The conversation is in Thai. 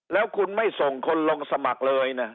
แล้วคุณไม่ส่งคนลงสมัครเลยนะ